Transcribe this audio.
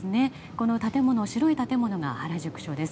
この白い建物が原宿署です。